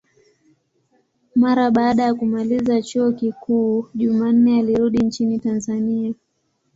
Mara baada ya kumaliza chuo kikuu, Jumanne alirudi nchini Tanzania.